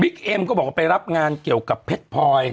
เอ็มก็บอกว่าไปรับงานเกี่ยวกับเพชรพลอย